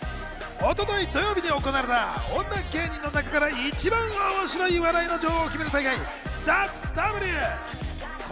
一昨日土曜日に行われた、女芸人の中から笑いの女王を決める大会『ＴＨＥＷ』。